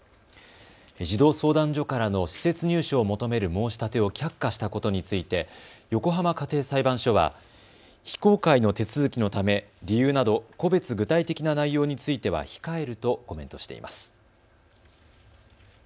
児童相談所からの施設入所を求める申し立てを却下したことについて横浜家庭裁判所は非公開の手続きのため、理由など個別具体的な内容については控えるとコメントしています。